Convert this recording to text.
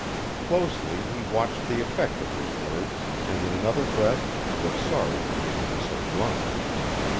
Closely he watched the effect of his words and in another breath was sorry that he had been so blunt.